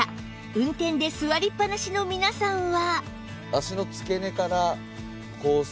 運転で座りっぱなしの皆さんは